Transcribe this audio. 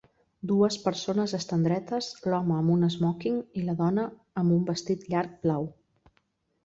Dues persones estan dretes, l'home amb un esmòquing i la dona amb un vestit llarg blau.